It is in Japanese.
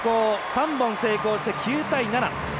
３本成功して９対７。